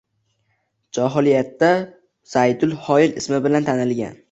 Johiliyatda Zaydul Xoyl ismi bilan tanilgan